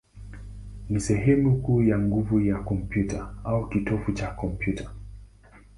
ni sehemu kuu ya nguvu ya kompyuta, au kitovu cha kompyuta.